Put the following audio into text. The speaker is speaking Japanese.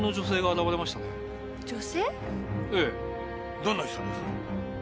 どんな人です？